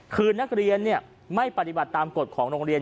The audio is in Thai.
คือนักเรียนไม่ปฏิบัติตามกฎของโรงเรียน